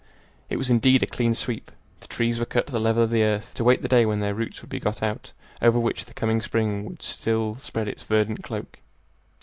It was indeed a clean sweep; the trees were cut to the level of the earth, to wait the day when their roots would be got out, over which the coming spring would still spread its verdant cloak.